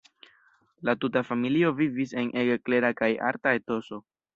La tuta familio vivis en ege klera kaj arta etoso.